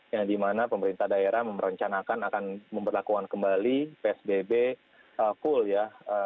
yang dimana pemerintah daerah merencanakan akan memperlakukan kembali psbb cool ya